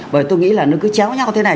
bởi tôi nghĩ là nó cứ chéo nhau thế này